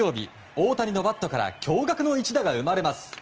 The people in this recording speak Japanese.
大谷のバットから驚愕の一打が生まれます。